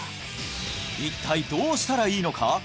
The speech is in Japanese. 一体どうしたらいいのか？